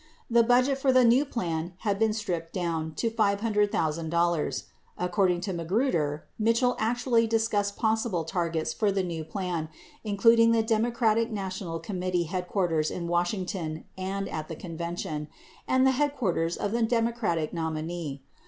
60 The budget for the new plan had been "stripped down" to $500, 000. 61 According to Magruder, Mitchell actually discussed possible targets for the new plan including the Democratic National Committee head quarters in Washington and at the convention, and the headquarters of the Democratic nominee.